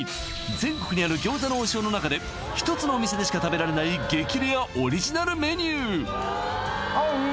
全国にある餃子の王将の中で一つのお店でしか食べられない激レアオリジナルメニュー！